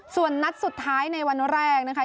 ส่วนนัดสุดท้ายในวันแรกนะคะ